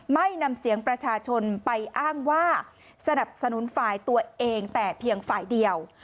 ไม่นำเสียงประชาชนไปอ้างว่าสนับสนุนฝ่ายตัวเองแต่เพียงฝ่ายเดียว